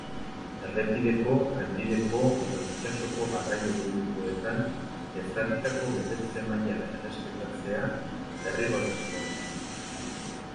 Errepideko, trenbideko edo itsasoko garraio publikoetan ezarritako betetze-maila errespetatzea derrigorrezkoa izango da.